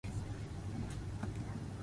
赤巻紙、青巻紙、黄巻紙を混ぜ合わせて巻きます